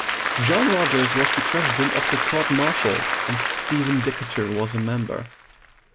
John Rodgers was the president of the court-martial, and Stephen Decatur was a member.